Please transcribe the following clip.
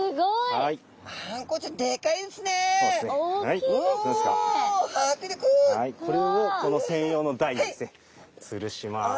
はいこれをこの専用の台にですね